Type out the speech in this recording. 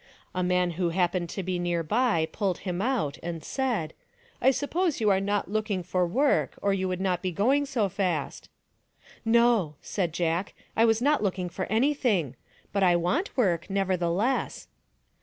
A man who happened to be near by pulled him out and said, " I suppose you are not looking for work or you would not be going so fast." " No," said Jack, "I was not looking for anything, but I want work, nevertheless."